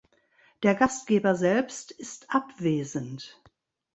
Der Gastgeber selbst ist abwesend.